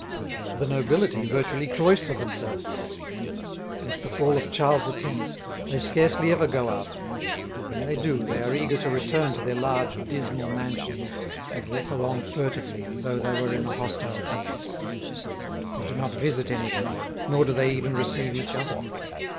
The nobility virtually cloister themselves. Since the fall of Charles X. they scarcely ever go out, and when they do they are eager to return to their large dismal mansions, and walk along furtively as though they were in a hostile country. They do not visit anyone, nor do they even receive each other.